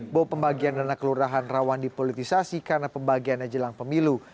bahwa pembagian dana kelurahan rawan dipolitisasi karena pembagiannya jelang pemilu